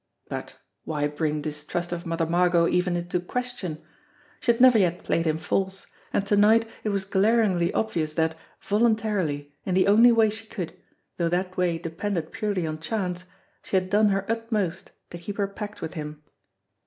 But why bring distrust of Mother Margot even into question! She had never yet played him false; and to night it was glaringly obvious that, voluntarily, in the only way she could, though that way depended purely on chance, she had done her utmost to keep her pact with him.